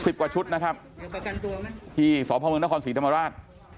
สิบกว่าชุดนะครับที่สอบภอมเมืองนครศรีธรรมราช